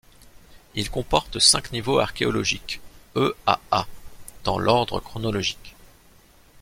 Il comporte cinq niveaux archéologiques, E à A dans l'ordre chronologique.